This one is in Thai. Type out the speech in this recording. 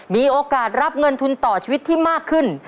มีโอกาสรับเงินทุนต่อชีวิตที่มากขึ้น